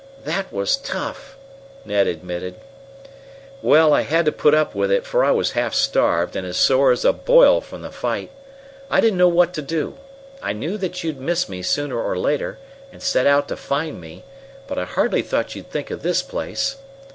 "That was tough!" Ned admitted. "Well, I had to put up with it, for I was half starved, and as sore as a boil from the fight. I didn't know what to do. I knew that you'd miss me sooner or later, and set out to find me, but I hardly thought you'd think of this place.